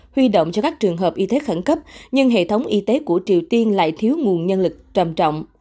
huy động cho các trường hợp y tế khẩn cấp nhưng hệ thống y tế của triều tiên lại thiếu nguồn nhân lực trầm trọng